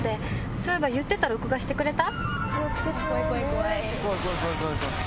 そういえば言ってた録画してくれた？